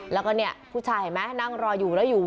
แล้วก็เนี่ยผู้ชายเห็นไหมนั่งรออยู่แล้วอยู่